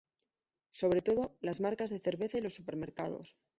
Sobre todo las marcas de cerveza y los supermercados.